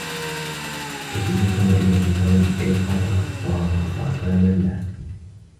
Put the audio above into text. الْفِتْنَةُ نَائِمَةٌ فَمَنْ أَيْقَظَهَا صَارَ طَعَامًا لَهَا